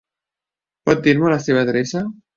Pot dir-me la seva adreça?